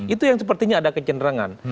itu yang sepertinya ada kecenderangan